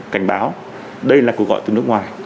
cảnh báo đây là cuộc gọi từ nước ngoài